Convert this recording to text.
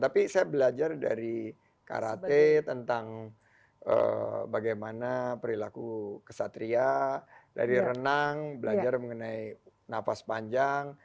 tapi saya belajar dari karate tentang bagaimana perilaku kesatria dari renang belajar mengenai napas panjang